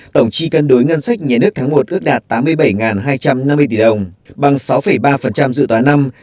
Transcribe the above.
tổng chi cân đối ngân sách nhà nước tháng một ước đạt tám mươi bảy hai trăm năm mươi tỷ đồng bằng sáu ba dự toán năm